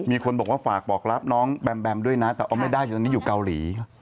มีคนบอกว่าฝากบอกรับน้องแบมแบมด้วยนะแต่เอาไม่ได้ตอนนี้อยู่เกาหลี